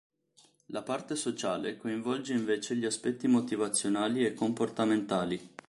La parte sociale coinvolge invece gli aspetti motivazionali e comportamentali.